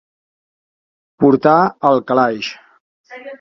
Portar al calaix.